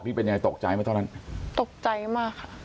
เป็นยังไงตกใจไหมตอนนั้นตกใจมากค่ะ